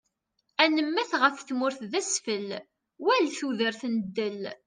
Ad nemmet ɣef tmurt d asfel, wal tudert n ddel.